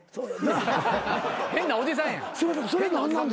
変なおじさんやん。